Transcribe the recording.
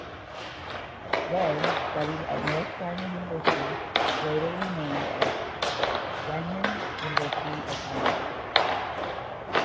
Wei studied at North China University (later renamed as Renmin University of China).